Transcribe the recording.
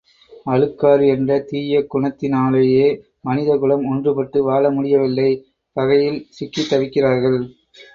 அழுக்காறு என்ற தீய குணத்தினாலேயே மனித குலம் ஒன்றுபட்டு வாழ முடியவில்லை பகையில் சிக்கித் தவிக்கிறார்கள்.